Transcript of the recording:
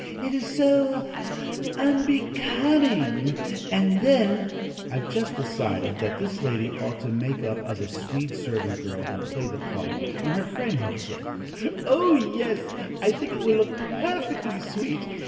It is so unbecoming, and then " I've just decided that this lady ought to make up as a Swede servant girl and play the part, when her friend hooks in: "Oh, yes; I think it will look perfectly sweet!